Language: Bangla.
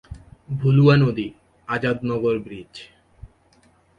ভুলুয়া নদী, আজাদ নগর ব্রীজ।